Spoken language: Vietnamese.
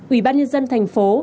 ủy ban nhân dân thành phố